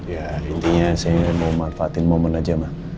ya intinya saya mau manfaatin momen aja mbak